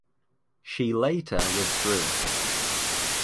She later withdrew.